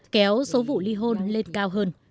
kéo số vụ ly hôn lên cao hơn